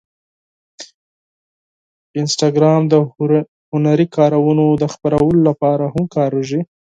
انسټاګرام د هنري کارونو د خپرولو لپاره هم کارېږي.